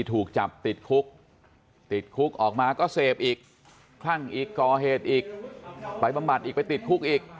ที่ถูกจับติดคุกออกมาก็เสพอีกขั่งอีกก่อเหตุอีกไปประมาทไปติดคุกอีก